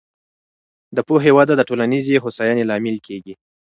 د پوهې وده د ټولنیزې هوساینې لامل کېږي.